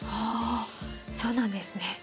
あそうなんですね。